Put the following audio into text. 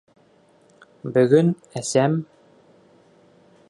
Бөгөн әсәм...